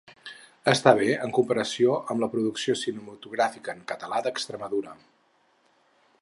Està bé en comparació amb la producció cinematogràfica en català d’Extremadura.